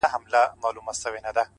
سیاه پوسي ده _ افغانستان دی _